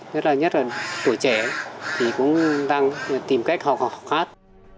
nhất là tuổi trẻ thì cũng đang tìm cách học hát